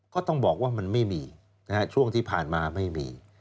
ก็ต้องบอกว่ามันไม่มีช่วงที่ผ่านมาไม่มี